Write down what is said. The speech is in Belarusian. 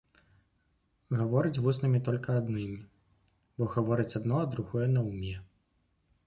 Гаворыць вуснамі толькі аднымі, бо гаворыць адно, а другое наўме.